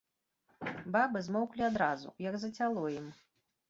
Бабы змоўклі адразу, як зацяло ім.